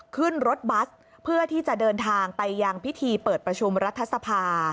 ขึ้นรถบัสเพื่อที่จะเดินทางไปยังพิธีเปิดประชุมรัฐสภา